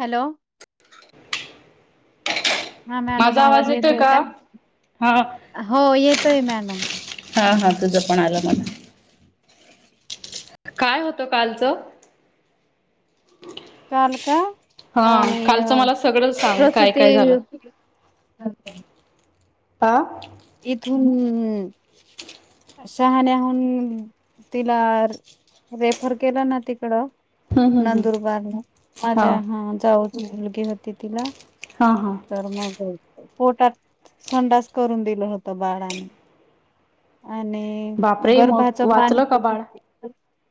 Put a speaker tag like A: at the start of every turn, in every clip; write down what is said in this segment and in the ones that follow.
A: Hello
B: [inaudible]
A: हा madam आवाज येतोय का
B: हा
A: हो येतोय मॅडम
B: हा हा तुझं पण आलं मला काय होतं कालचं
A: [inaudible] कालका
B: हा
A: आणि
B: कालचं मला सगळं सांग काय
A: प्रसुती
B: काय झालं?
A: ह का
B: बा
A: येथून ह्म हम्म शहाण्याहून तिला रेफर केला ना तिकडं
B: हम्म हम्म.
A: नंदुरबारला माझ्या हा जाऊची मुलगी होती तिला
B: हां हां
A: तर मग पोटात संडास करून दिलं होत बाळाने आणि
B: बापरे मग
A: गर्भाचं पाणी
B: वाचलं का बाळ?
A: क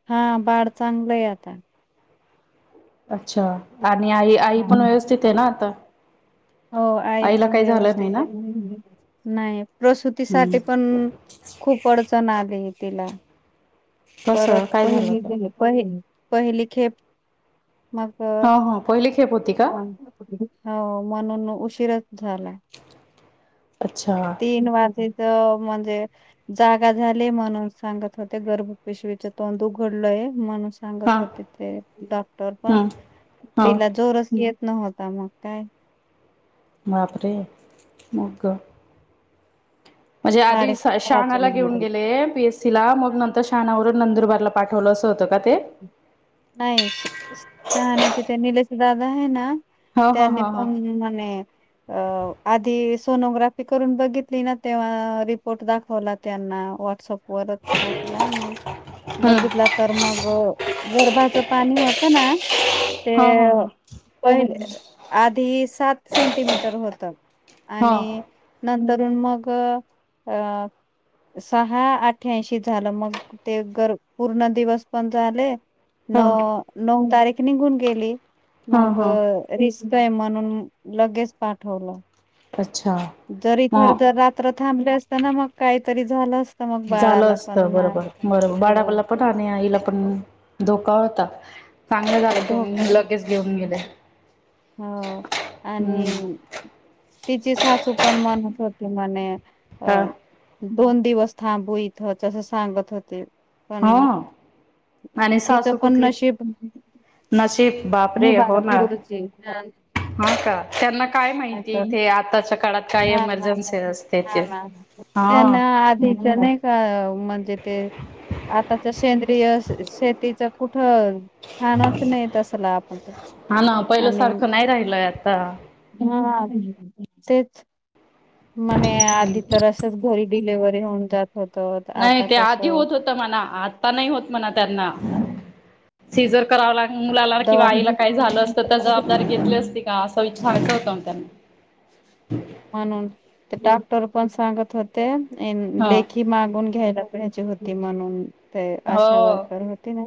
A: हा बाळ चांगलंय आता
B: अच्छा आणि आई आई पण व्यवस्थित आहे ना आता
A: हो आहे
B: आईला
A: पण
B: काही झालं नाही
A: व्यवस्थित
B: ना?
A: नाही
B: हम्म
A: प्रसुतीसाठी पण खूप अडचण आली तिला
B: कसं
A: परत
B: काय झालं
A: पहिली
B: होतं?
A: प पहिली खेप मग
B: हो पहिले
A: ह हो म्हणून उशीरच झालाय
B: अच्छा
A: तीन वाजजेच म्हणजे जागा झाली म्हणून सांगत होते गर्भ पिशवीच तोंड उघडलय म्हणून
B: हा
A: सांगत होते ते डॉक्टर पण
B: हम्म. हा
A: तिला जोरच येत नव्हता मग काय
B: बापरे मगं म्हणजे आधी
A: साडेसात
B: शहाणाला
A: वाजून
B: घेऊन गेले पीएस तिला मग नंतर शहाणावरून नंदुरबारला पाठवलं असं होतं का ते
A: नाही चहाण्याचे ते निलेश दादा आहे ना
B: हो हो
A: त्यांनी
B: हो हो
A: पण म अ आधी सोनोग्राफी करून बघितली ना तेव्हा रिपोर्ट दाखवला त्यांना व्हॉट्सअप वरत टाकला मग
B: हम्म
A: बघितला तर मग गरभचं पाणी होत ना ते
B: हो हो हो
A: पहिले आधी सात सेंटीमीटर होतात
B: हो
A: आणि नंतरून मग अ सहा अठ्याशी झालं मग ते गर पूर्ण दिवस पण झाले न
B: हो
A: नऊ तारीख निघून गेली
B: हो
A: मग
B: हो
A: रिस्क आहे म्हणून लगेच पाठवलं
B: अच्छा
A: जरी इथर
B: मग
A: जर रात्र थांबले असत ना मग काहीतरी झालं अस
B: झालं असत बरोबर बरोबर
A: सगळं
B: बाळाबाला पण आणि आईला
A: ते
B: पण धोकाळता
A: हका हो
B: हम्म
A: आणि तिची सासू पण मनस होती म्हणे अ
B: ह
A: दोन दिवस थांब इतस सांगत होते पण
B: हो आणि
A: तिचं
B: सासू
A: पण
B: कुठली
A: नशीब
B: नसिब बापरे हो
A: मुबारक
B: ना
A: गुरुजी हा
B: हा का त्यांना काय माहितीय
A: नाहीतर
B: इथे आताच्या काळात काय
A: हा ह
B: एमर्जन्सी असते ते
A: हा
B: हा
A: त्यांना आधी नाही का म्हणजे ते आताच्या सेंद्रिय शेतीच कुठं खानाच नाही तसला आपण
B: हा ना पहिलं
A: आणि
B: सारखं नाही राहिलय आता
A: हा तेच म्हणे आधी तर असंच घरी डिलेव्हरी होऊन जात होत आता कसं
B: हो मणा आता नाही होत म्हणा त्यांना सिझर करावा लाग मुलाला किं आईला काय झालं असतं त्या
A: दवा
B: जबाबदारी घेतली असते का असा विचार कर होत म त्यांना
A: म्हणून ते डॉक्टर पण सांगत होते
B: हा
A: लेखी ती मागून घ्यायला जायची होती म्हणून ते आशा
B: हो
A: वर्कर होती ना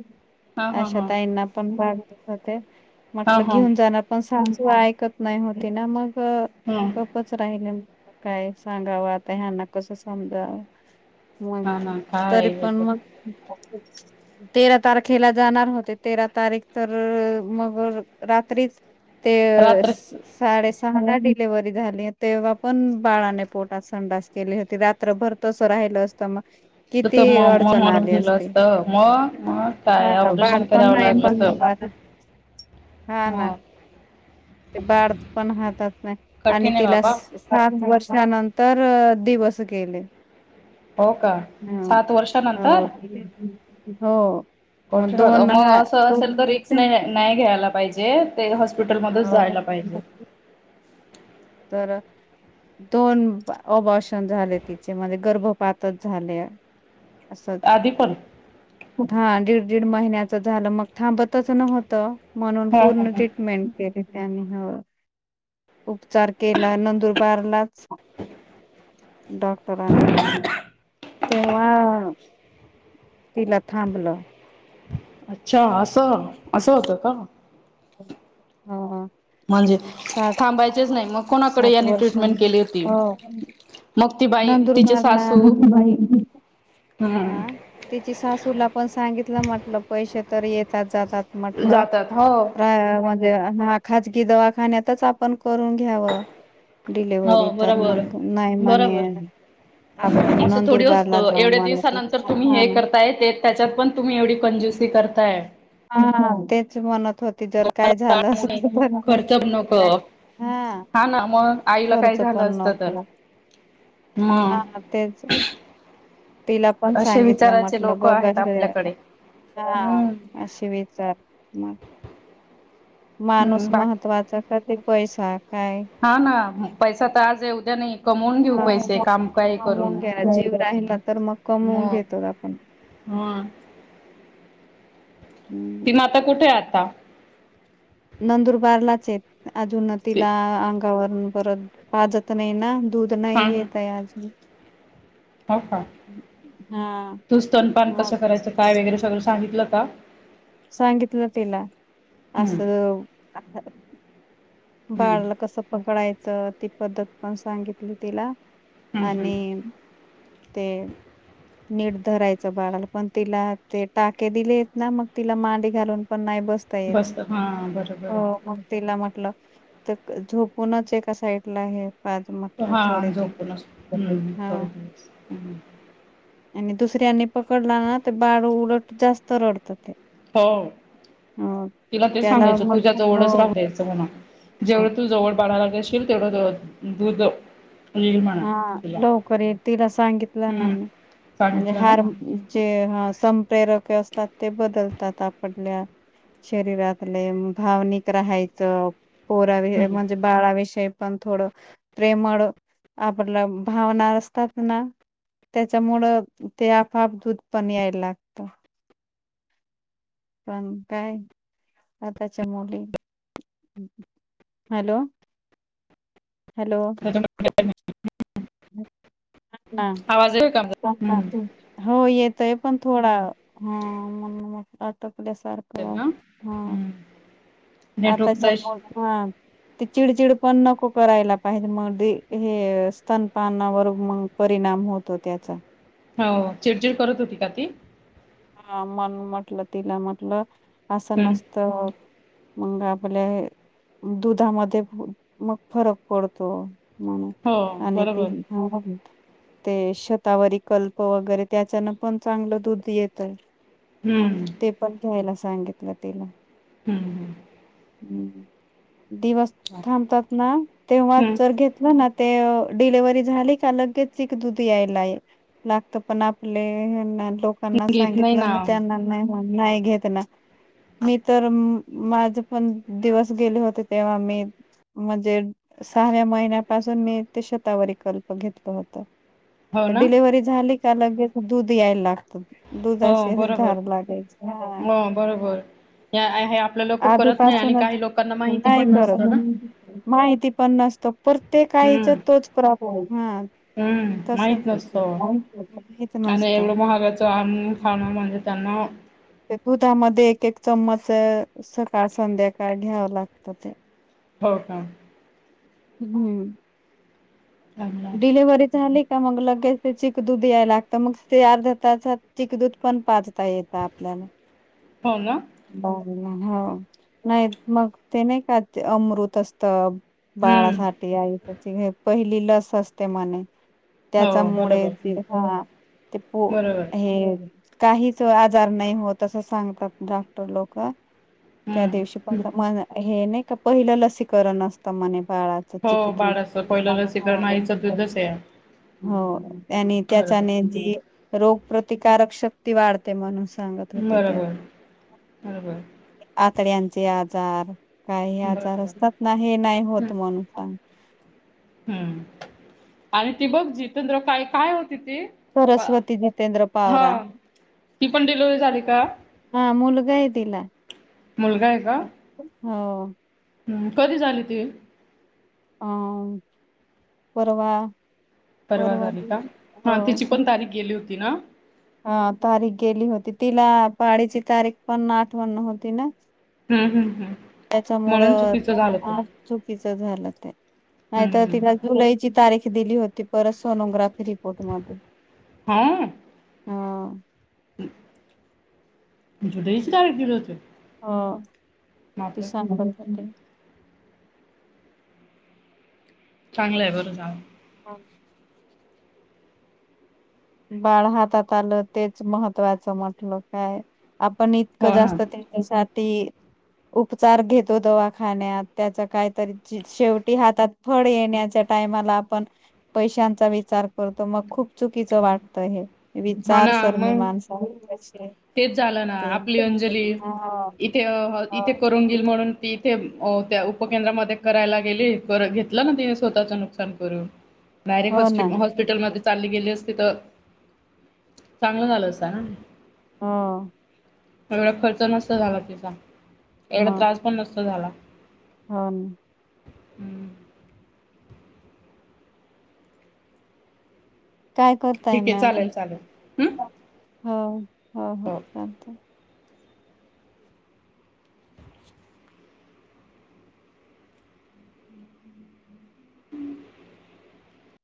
B: हा हा
A: अशा
B: हा
A: ताईंना पण पाढ होते
B: हा
A: म्हटलं
B: हा
A: घेऊन जाणार पण सांज ऐकत नाही होती ना मग
B: हम्म
A: च राहिले म काय सांगावं आता ह्यांना कसं समजाव मग
B: हा ना
A: तरी
B: काय
A: पण मग तेरा तारखेला जाणार होते तेरा तारीख तर मग रात्रीच ते
B: रात्र
A: साडे सहा ला डिलीवररी झाली तेव्हा पण बाळाने पोटात संडास केली होती रात्रभर तस राहिलं असतं मग
B: तर
A: किती
B: मग मग
A: अडचण
B: मरून
A: आली
B: गेलं
A: असते
B: असतं मग मग
A: हा
B: काय ऑपरेशन
A: बापण
B: करावं
A: नाही
B: लागलं
A: पण
B: तर
A: हा ना
B: मग
A: ते बाळ पण हातात नाही आणि
B: कठीण आहे
A: तिला
B: बाबा
A: सात वर्षानंतर दिवस केले
B: हो का सात वर्षानंतर
A: ह हो मग
B: कठणत
A: दोन
B: मग
A: हा
B: असं असेल तर
A: दोन
B: रिक्स नाही
A: हो
B: नाही घ्यायला पाहिजे ते हॉस्पिटलमध्येधच जायला पाहिजे
A: तर दोन अभाषण झाले तिचे म्हणज गर्भपातच झाले अससद
B: आधी पण
A: हा दीड दीड महिन्याच झालं मग थांबतच नव्हतं म्हणून
B: हा ह
A: पूर्ण ट्रीटमेंट केली त्यानी हो उचार केला नंदुरबारलाच डॉक्टर अनकलली तेव्हा तिला थांबलं
B: अच्छा असं असं होत का
A: हम
B: म्हणजे थांबायचेच नाही मग कोणाकडे
A: सात
B: याने
A: वर्षां
B: ट्रीटमेंट केली होती
A: हो
B: मग ती बाई तिचे
A: नंदुरबारला
B: सासू ह
A: त्यािची सासूला पण सांगितलं म्हटलं पैसे तर येतात जातात म्हटलं
B: जातात हो
A: प्र म्हणजे ह खाजगी दवाखान्यातच आपण करून घ्याव
B: हो
A: डिलेव्हरी तर
B: बरोबर
A: मग नाही म्हणे
B: बरोबर
A: आपण नंदुरबार ला जाव म्ह
B: नंतर तुम्ही हे करताय ते त्याच्यात पण तुम्ही एवढी कंजुसी करताय
A: हा तेच मणत
B: तुम्हांला आठ मुली खर्चच नको हा ना मग आईला काय
A: खर्च
B: झालं
A: पण
B: असतं तर...
A: नको हा
B: मग
A: तेच तिला पण
B: असे
A: सांगितलं
B: विचाराचे
A: म्हटलं
B: लोक
A: बघ
B: आहेत आपल्याकडे
A: हा
B: हम्म
A: अशी विचार मग माणूस
B: हम्म बाकी
A: महत्वाचा कध पैसा काय
B: हा ना पैसा तर आज आहे उद्या नाही कमवून घेऊ पैसे
A: हा.
B: काम काही
A: कमवून
B: करून
A: घ्या जीव राहि ना तर मग कमवून
B: मग
A: घेतो आपण
B: ह
A: हम्
B: आता कुठे? आता
A: नंदुरबारलाच आहेत अजून तिला वरून परत पाजत नाही ना दूध
B: हा
A: नाही
B: ह
A: येत आहे आजून
B: हो का?
A: हा
B: तू स्तनपान
A: मग
B: कसं करायचं काय वगैरे सगळं सांगितलं का?
A: सांगितलं तिला
B: हम्म
A: असं
B: हम्म
A: बाळला कसं पकडायचं ती पद्धत पण सांगितली तिला
B: हम्म
A: आणि
B: हम्म
A: ते नीट धरायचं बाळाल पण तिला ते टाके दिले ना मग तिला मांडी घालून पण नाही बस येल
B: हां बरोबर आहे
A: मग तिला म्हटलं तर झोपूनच एका साइडला आहे पाज म्हटलं थोडे
B: हां झोपूनच
A: दिवस
B: हम्म
A: हा
B: थोडे दिवस
A: आणि दुसऱ्यांनी पकडला ना ते बाळ उलट जास्त रडतं ते
B: हो
A: अ
B: तिला ते
A: त्याला
B: सांगायचं
A: मग
B: तूज्या
A: हो
B: जवळच राहू रस
A: हो
B: जेवढ तू जवळ बळाला गेशील तेवढ दूध येईल म्हणा
A: हा
B: तिला.
A: लवकर ये तिला सांगितलं ना
B: हम्म.
A: मी म्हणजे
B: सांगितलं ना?
A: हार जे ह संप्रेरक असतात ते बदलतात आपडल्या शरीरातले भावनिक राहायचं पोराविषयी
B: हम्म.
A: म्हणजे बाळाविषयी पण थोडं प्रेमळ आपलं भावना असतात ना त्याच्यामुळं ते आपोआप दूध पण यायला लागत पण काय आताच्या मुली हॅलो
B: [unintelligible]
A: हा हा
B: आवाज ये
A: हो येतंय पण थोडा ह म्ह अटकल्यासारखा.
B: हम. [inaudible]
A: आता ह्या मग हा. ते चिडचिड पण नको करायला पाहिजे मग हे स्तनपानावर मग. परिणाम होतो त्याचा.
B: हा, चिडचिड करत होती का ती?
A: हा मन म्हटलं तिला म्हटल असं
B: हम्म.
A: नसत. मग आपल्या दुधामध्ये मग फरक पडतो. म्हण,
B: हो
A: आणि
B: बरोबर.
A: तेही. हा, ते शतावरी कल्प वगैरे त्याच्यान पण चांगलं दूध येत तर मग
B: हम्म.
A: ते पण घ्यायला सांगितलं तिला.
B: हम्म ह.
A: ह्, दिवस थांबतात ना तेव्हाच
B: हम्म
A: जर घेतलं ना ते डिलिव्हरी झाली का लगेच चिक दुध यायलाय. लागत पण आपले लोक.
B: [unintelligible]
A: घितलं मग त्यांना नाही नाही घेतला. मी तर माझ पण दिवस गेले होते तेव्हा मी म्हणजे सहाव्या महिन्यापासून मी ते शतावरी कल्प घेतलं होत.
B: हो
A: तर
B: ना?
A: डिलेव्हरी झाली का लगेच दूध याय लागत.
B: हो
A: दुधास धार लागायच, हा.
B: होय होय, हे आहे आपल्या लोक करत नाही आणि
A: आधीपासूनच
B: काही लोकांना माहिती
A: नाही
B: पण नसतं ना.
A: करत माहिती पण नसत प्रत्येक आईच
B: हम्म.
A: तोच प्रॉप, हा.
B: हम्म
A: तसच
B: माहित नसतो
A: माहित
B: आणि
A: नसतय
B: एवढं महागाचं आणून खाणं म्हणजे त्यांना
A: ते दुधामध्ये एक-एक चम्मच सकाळ संध्याकाळ घ्यावं लागतं ते.
B: हो, का.
A: हम्म.
B: चांगलं
A: डिलिव्हरी झाली कि मग लगेच ते चिक दूध याय लागतं मग ते अर्धा तासात चीख, दूध पण पाचता येतं आपल्याला.
B: हो, ना.
A: बाहेरा हा, मग ते नाही का ते अमृत, असत.
B: हम्म
A: बाळासाठी, आई साठी पहिली लस असते महण.
B: हो
A: त्याच्यामुळे
B: बरोबर
A: हा ते प
B: बरोबर
A: हे. काहीच आजार नाही होत असं सांगतात डॉक्टर लोक. त्या दिवशी
B: हम्म
A: हे नाही का पहिलं लसीकरण असतं म्हणे बाळात.
B: हो बाळच पहिलं लसीकरण आईचं दुधच आहे.
A: हो आणि
B: बरोबर
A: त्याचाने जे रोगप्रतिकारक शक्ती वाढते म्हणून सांगत होते ते.
B: हा बाई.
A: आतड्यांचे आजार काही आजार
B: बरोबर
A: असतात ना हे नाही
B: हम्म
A: होत म्हणतात.
B: हम्म, आणि ती बघ जिदेंत्र काय-काय होती ती.
A: सरस्वती जितेंद्र
B: हा,
A: पावरा
B: ती पण डिलिवरी झाली का?
A: हा मुलगा आहे तिला.
B: मुलगा आहे काय?
A: हो.
B: ह कधी झाली ती?
A: अ. परवा.
B: परवा झाली का हा तीची पण तारीख गेली होती ना?
A: हां तारीख गेली होती तिला पाळीची तारीख पण आठवत नव्हती ना.
B: हा हां हम्म
A: त्याच्यामुळं [unintelligible] चुकीचं झालं ते. नाहीतर
B: हं.
A: तिला जुलैची तारीख दिली होती परत सोनोग्राफी. [unintelligible] हां
B: [unintelligible] केल होते.
A: हो. ती सांगत [unintelligible]
B: चांगलंय बरं झालं
A: हां बाळ हातात आलं तेच महत्त्वाचं म्हटलं काय आपण इतकं
B: हो ना.
A: जास्त ते साठी उपचार घेतो दवाखान्यात त्याचा काहीतरी शेवटी हातात फळ येण्याच्या टायमाला आपण पैशांचा विचार करतो मग खूप चुकीचं वाट हे
B: हा ना
A: विचारसरणी
B: मग
A: माणसाची कशी आहे.
B: तेच झालं ना आपली अंजली
A: हा
B: इथे
A: हा
B: इथे करून घेईल म्हणून. ती इथे त्या उपकेंद्रामध्ये करायला गेली परत घेतलं ना तिथे स्वतःचं नुकसान करून.
A: [inaudible] ना
B: डायरेक्ट हॉस्पिटलमध्येचालली गेली असती तर चांगलं. झालं असत ना.
A: हां
B: एवढा खर्च नसता झाला तिचा एवढा त्रास पण नसता झाला.
A: हां
B: हं.
A: काय करताय
B: ठीक आहे
A: मॅडम?
B: चालेल चालेल.
A: हो.
B: हो
A: त [unintelligible]
B: हम्म